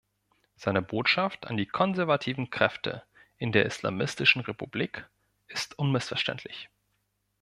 Seine Botschaft an die konservativen Kräfte in der islamistischen Republik ist unmissverständlich.